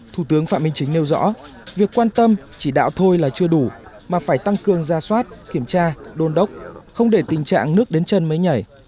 thủ tướng phạm minh chính nêu rõ việc quan tâm chỉ đạo thôi là chưa đủ mà phải tăng cường ra soát kiểm tra đôn đốc không để tình trạng nước đến chân mới nhảy